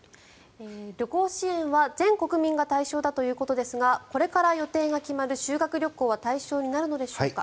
旅行支援は全国民が対象だということですがこれから予定が決まる修学旅行は対象になるのでしょうか。